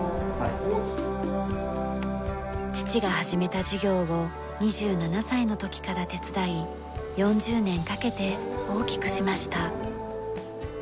父が始めた事業を２７歳の時から手伝い４０年かけて大きくしました。